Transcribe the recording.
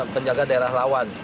penjaga daerah rawan